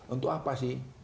untuk apa sih